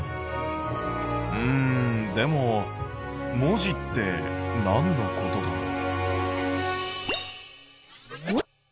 うんでも文字ってなんのことだろう？